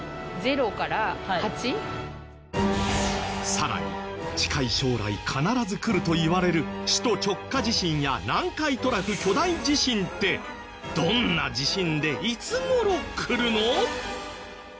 更に近い将来必ずくるといわれる首都直下地震や南海トラフ巨大地震ってどんな地震でいつ頃くるの？